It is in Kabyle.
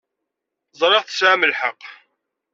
Ẓṛiɣ tesɛam lḥeq.